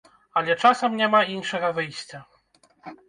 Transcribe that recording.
Але часам няма іншага выйсця.